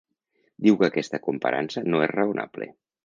Diu que aquesta comparança ‘no és raonable’.